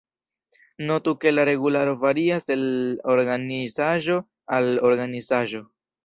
Notu ke la regularo varias el organizaĵo al organizaĵo.